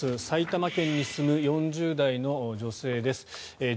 埼玉県に住む４０代の女性です。